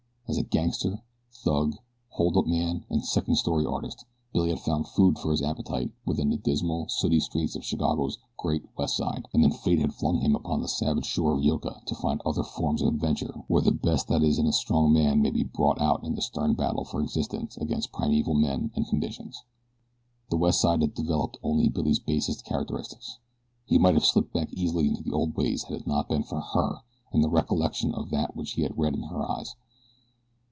As gangster, thug, holdup man and second story artist Billy had found food for his appetite within the dismal, sooty streets of Chicago's great West Side, and then Fate had flung him upon the savage shore of Yoka to find other forms of adventure where the best that is in a strong man may be brought out in the stern battle for existence against primeval men and conditions. The West Side had developed only Billy's basest characteristics. He might have slipped back easily into the old ways had it not been for HER and the recollection of that which he had read in her eyes.